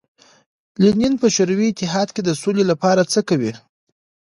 لینین په شوروي اتحاد کې د سولې لپاره څه کوي.